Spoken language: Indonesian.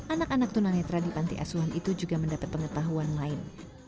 anak anak tunanetra di panti asuhan itu juga mendapat pengetahuan lain